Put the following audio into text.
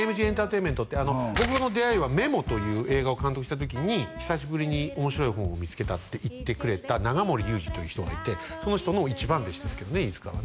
ＡＭＧエンタテインメントって僕の出会いは「ｍｅｍｏ」という映画を監督した時に久しぶりに面白い本を見つけたって言ってくれた永森裕二という人がいてその人の一番弟子ですけどね飯塚